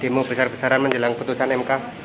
demo besar besaran menjelang putusan mk